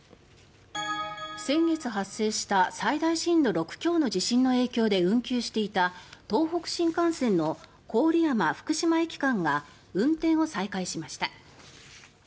先月発生した最大震度６強の地震の影響で運休していた東北新幹線の郡山福島駅間が運転を再開しました。